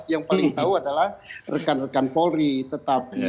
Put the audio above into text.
yang paling tahu adalah rekan rekan polri